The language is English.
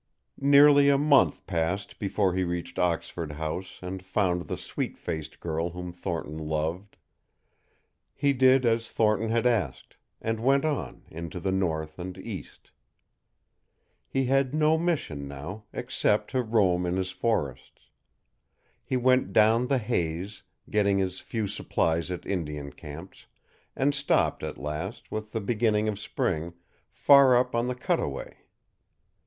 Nearly a month passed before he reached Oxford House and found the sweet faced girl whom Thornton loved. He did as Thornton had asked, and went on into the north and east. He had no mission now, except to roam in his forests. He went down the Hayes, getting his few supplies at Indian camps, and stopped at last, with the beginning of spring, far up on the Cutaway.